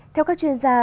theo các chuyên gia